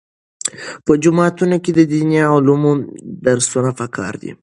په جوماتونو کې د دیني علومو درسونه پکار دي.